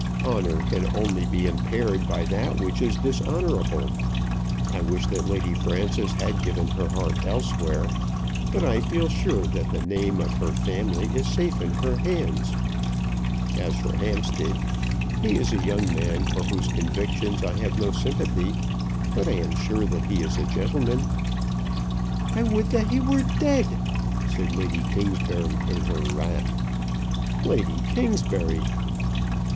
Honour can only be impaired by that which is dishonourable. I wish that Lady Frances had given her heart elsewhere, but I feel sure that the name of her family is safe in her hands. As for Hampstead, he is a young man for whose convictions I have no sympathy, but I am sure that he is a gentleman." "I would that he were dead," said Lady Kingsbury in her wrath. "Lady Kingsbury!"